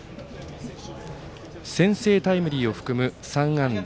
先制タイムリーを含む３安打。